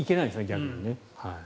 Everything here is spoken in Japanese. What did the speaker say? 逆にね。